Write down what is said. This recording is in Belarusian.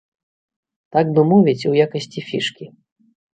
Так бы мовіць, у якасці фішкі.